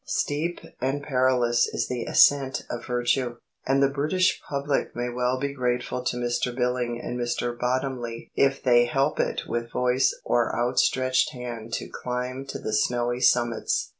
Steep and perilous is the ascent of virtue, and the British public may well be grateful to Mr Billing and Mr Bottomley if they help it with voice or outstretched hand to climb to the snowy summits.